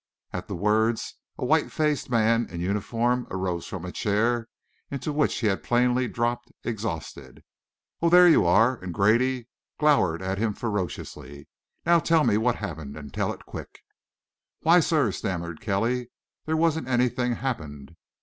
At the words, a white faced man in uniform arose from a chair into which he had plainly dropped exhausted. "Oh, there you are!" and Grady glowered at him ferociously. "Now tell me what happened and tell it quick!" "Why, sir," stammered Kelly, "there wasn't anything happened.